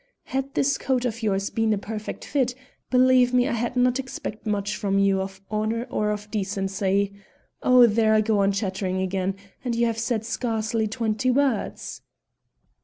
Had this coat of yours been a perfect fit, believe me I had not expected much from you of honour or of decency. Oh! there I go on chattering again, and you have said scarcely twenty words."